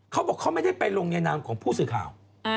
เขาบอกเขาไม่ได้ไปลงในนามของผู้สื่อข่าว